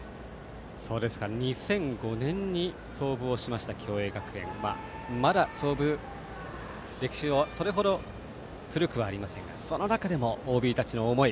２００５年に創部をしました共栄学園はまだ歴史はそれほど古くはありませんがその中でもＯＢたちの思い